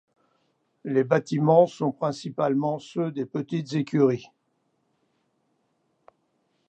Les bâtiments sont principalement ceux des petites écuries.